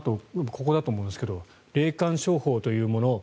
ここだと思うんですが霊感商法というもの